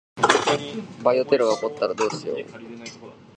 バイオテロが起こったらどうしよう。